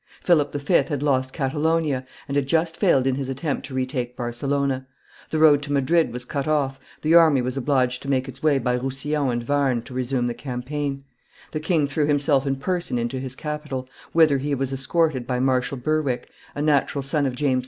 Philip V. had lost Catalonia, and had just failed in his attempt to retake Barcelona; the road to Madrid was cut off, the army was obliged to make its way by Roussillon and Warn to resume the campaign; the king threw himself in person into his capital, whither he was escorted by Marshal Berwick, a natural son of James II.